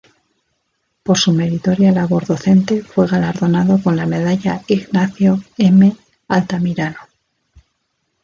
Por su meritoria labor docente fue galardonado con la medalla Ignacio M. Altamirano.